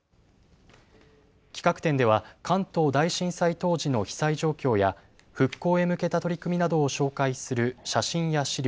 企画展では関東大震災当時の被災状況や復興へ向けた取り組みなどを紹介する写真や資料